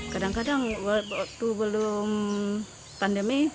kadang kadang waktu belum pandemi